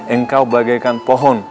engkau bagaikan pohon